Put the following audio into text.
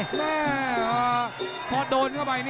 แม่พอโดนเข้าไป